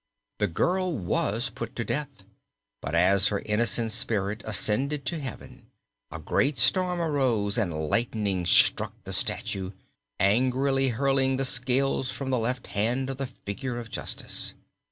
"The girl was put to death, but as her innocent spirit ascended to heaven a great storm arose and lightning struck the statue, angrily hurling the scales from the left hand of the figure of Justice.